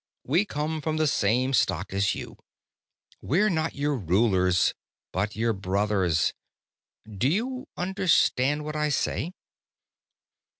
We come from the same stock as you. We're not your rulers, but your brothers. Do you understand what I say?"